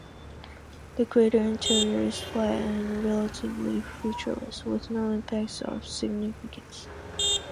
The crater interior is flat and relatively featureless, with no impacts of significance.